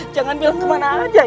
jangan bilang kemana aja